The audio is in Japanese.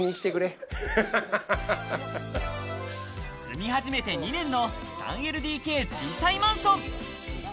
住み始めて２年の３ＬＤＫ賃貸マンション。